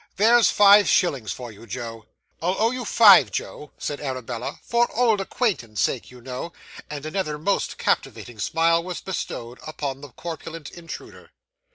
There's five shillings for you, Joe!" 'I'll owe you five, Joe,' said Arabella, 'for old acquaintance sake, you know;' and another most captivating smile was bestowed upon the corpulent intruder.